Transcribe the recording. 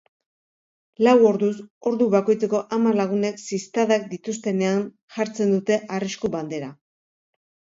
Lau orduz, ordu bakoitzeko hamar lagunek ziztadak dituztenean jartzen dute arrisku bandera.